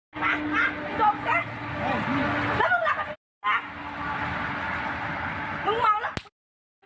แล้วมึงลับกับนี้แหละ